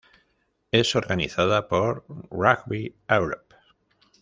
Es organizada por Rugby Europe.